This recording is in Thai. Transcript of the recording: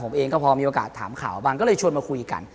ผมเองก็พอมีโอกาสถามข่าวบ้างก็เลยชวนมาคุยกัน